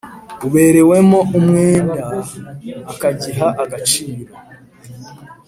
uberewemo umwenda akagiha agaciro